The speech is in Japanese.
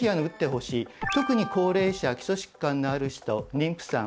特に高齢者基礎疾患のある人妊婦さん